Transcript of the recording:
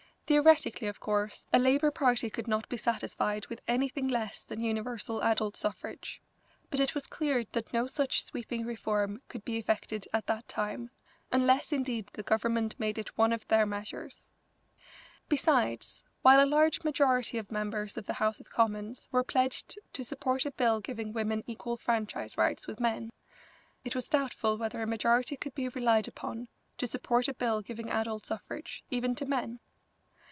Theoretically, of course, a Labour party could not be satisfied with anything less than universal adult suffrage, but it was clear that no such sweeping reform could be effected at that time, unless indeed the Government made it one of their measures. Besides, while a large majority of members of the House of Commons were pledged to support a bill giving women equal franchise rights with men, it was doubtful whether a majority could be relied upon to support a bill giving adult suffrage, even to men.